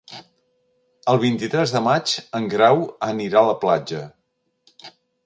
El vint-i-tres de maig en Grau anirà a la platja.